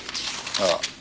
ああ。